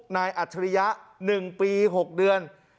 นายอัจฉริยะหนึ่งปีหกเดือน